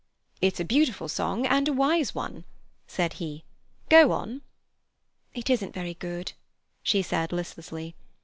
"It's a beautiful song and a wise one," said he. "Go on." "It isn't very good," she said listlessly.